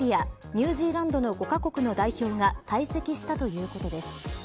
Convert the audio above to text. ニュージーランドの５カ国の代表が退席したということです。